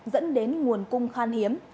dẫn đến nguồn cung khan hiếm